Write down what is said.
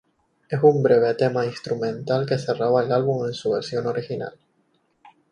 Es un breve tema instrumental que cerraba el álbum en su versión original.